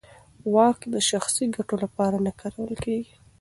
واک د شخصي ګټو لپاره نه کارول کېږي.